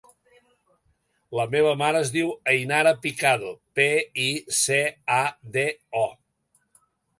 La meva mare es diu Ainara Picado: pe, i, ce, a, de, o.